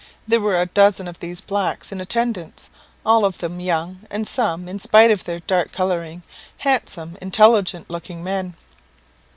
There were a dozen of these blacks in attendance, all of them young, and some, in spite of their dark colouring, handsome, intelligent looking men.